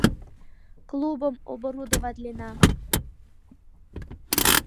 Клубым оборудоватлена.